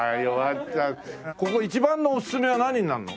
ここ一番のおすすめは何になるの？